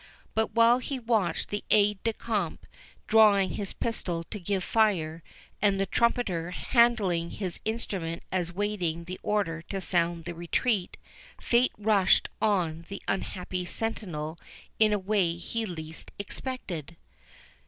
But while he watched the aide de camp drawing his pistol to give fire, and the trumpeter handling his instrument as waiting the order to sound the retreat, fate rushed on the unhappy sentinel in a way he least expected.